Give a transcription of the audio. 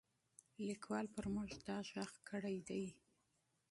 لیکوال پر موږ دا غږ کړی دی.